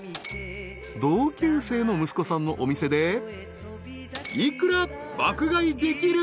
［同級生の息子さんのお店で幾ら爆買いできる？］